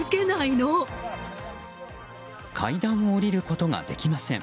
階段を降りることができません。